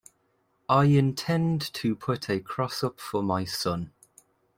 I intend to put a cross up for my son.